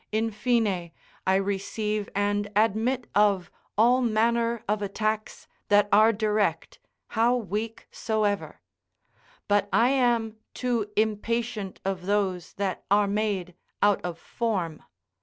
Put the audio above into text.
In fine, I receive and admit of all manner of attacks that are direct, how weak soever; but I am too impatient of those that are made out of form.